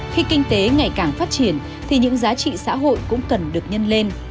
khi kinh tế ngày càng phát triển thì những giá trị xã hội cũng cần được nhân lên